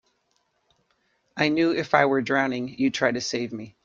I knew if I were drowning you'd try to save me.